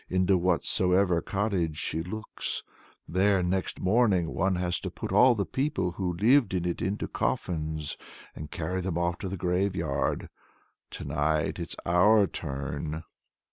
Into whatsoever cottage she looks, there, next morning, one has to put all the people who lived in it into coffins, and carry them off to the graveyard. To night it's our turn."